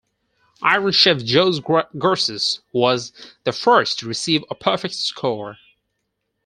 Iron Chef Jose Garces was the first to receive a perfect score.